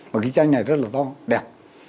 mà cây chanh này rất là to đẹp